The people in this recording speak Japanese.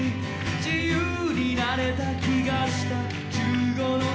「自由になれた気がした１５の夜」